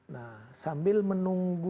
nah sambil menunggu